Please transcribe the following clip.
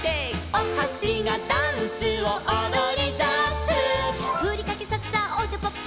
「おはしがダンスをおどりだす」「ふりかけさっさおちゃぱっぱ」